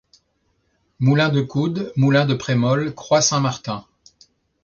Moulin de Coude, moulin de Prémol, Croix Saint-Martin.